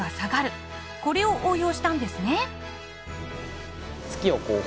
これを応用したんですね。